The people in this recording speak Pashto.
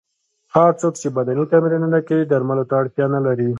هغه څوک چې بدني تمرینونه کوي درملو ته اړتیا نه لري.